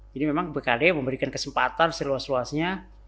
jadi memang bkd memberikan kesempatan seluas luasnya